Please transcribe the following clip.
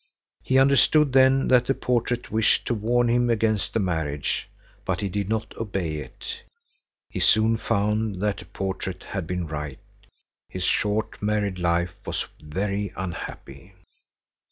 He understood then that the portrait wished to warn him against the marriage, but he did not obey it. He soon found that the portrait had been right. His short married life was very unhappy.